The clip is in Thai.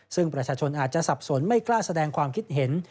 ซึ่งประชาชนอาจจะสับสนไม่กล้าแสดงความคิดเห็น